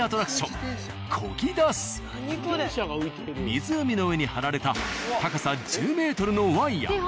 湖の上に張られた高さ１０ｍのワイヤー。